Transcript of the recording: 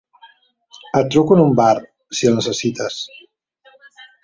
Et truco en un bar, si el necessites.